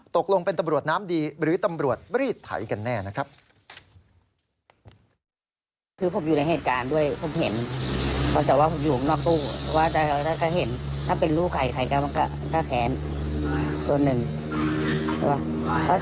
ตกลงเป็นตำรวจน้ำดีหรือตำรวจรีดไถกันแน่นะครับ